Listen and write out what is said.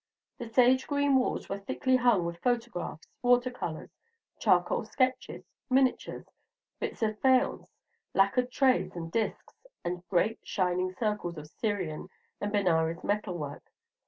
The sage green walls were thickly hung with photographs, watercolors, charcoal sketches, miniatures, bits of faience, lacquered trays and discs, and great shining circles of Syrian and Benares metalwork.